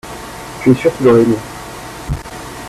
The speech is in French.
tu es sûr qu'il aurait aimé.